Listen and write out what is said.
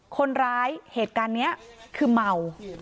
คนร้ายเหตุการณ์นี้คือเมา